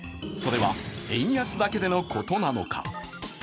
それは、円安だけでのことなのか。